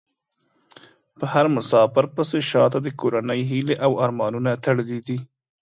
په هر مسافر پسې شا ته د کورنۍ هيلې او ارمانونه تړلي دي .